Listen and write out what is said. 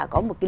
có một cái